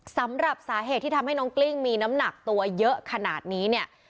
สำหรับสาเหตุที่ทำให้น้องกลิ้งมีน้ำหนักตัวเยอะขนาดนี้เนี่ย